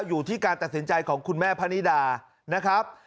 อยู่ที่การตัดสินใจของคุณแม่พะนิดานะครับ